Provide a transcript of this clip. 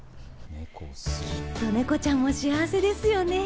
きっと、ねこちゃんも幸せですよね。